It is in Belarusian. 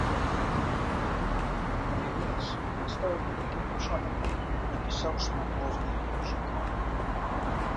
Калі вырас, дык стаў вялікім вучоным, напісаў шмат розных кніжак.